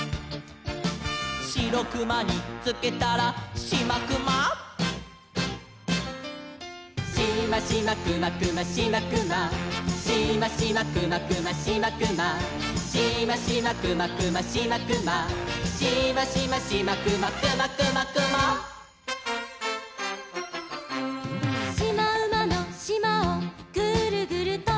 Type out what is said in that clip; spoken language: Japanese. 「シロクマにつけたらシマクマ」「シマシマクマクマシマクマ」「シマシマクマクマシマクマ」「シマシマクマクマシマクマ」「シマシマシマクマクマクマクマ」「しまうまのしまをグルグルとって」